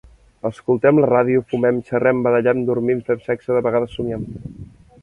Escoltem la ràdio, fumem, xerrem, badallem, dormim, fem sexe, de vegades somiem.